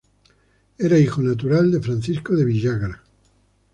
Era hijo natural de Francisco de Villagra.